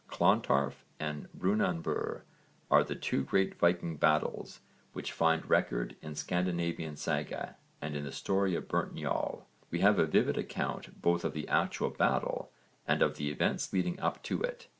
Clontarf and Brunanburh are the two great Viking battles which find record in Scandinavian saga, and in the story of Burnt Njal we have a vivid account both of the actual battle and of the events leading up to it.